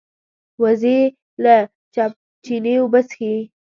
وزې له چینې اوبه څښي